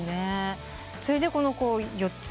それでこの４つ。